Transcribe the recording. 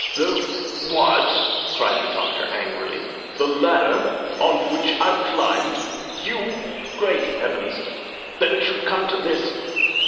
"The wha a t?" cried the Doctor, angrily. "The ladder on which I climbed? You? Great heavens! That it should come to this!